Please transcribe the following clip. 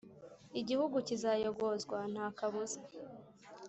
Igihugu kizayogozwa nta kabuza